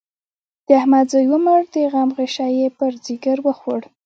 د احمد زوی ومړ؛ د غم غشی يې پر ځيګر وخوړ.